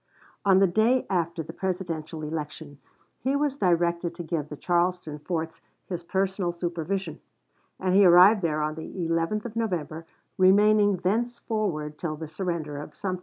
On the day after the Presidential election he was directed to give the Charleston forts his personal supervision, and he arrived there on the 11th of November, remaining thenceforward till the surrender of Sumter.